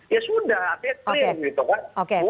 ya sudah oke oke